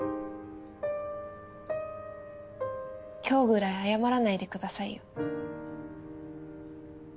今日くらい謝らないでくださいよ。